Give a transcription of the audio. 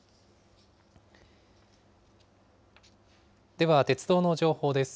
では鉄道の情報です。